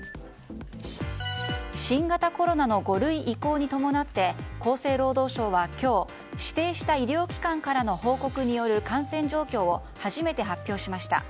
新型コロナの５類以降に伴って厚生労働省は今日指定した医療機関からの報告による感染状況を初めて発表しました。